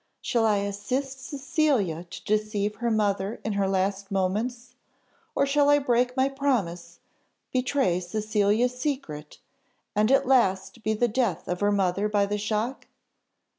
Shall I assist Cecilia to deceive her mother in her last moments; or shall I break my promise, betray Cecilia's secret, and at last be the death of her mother by the shock?"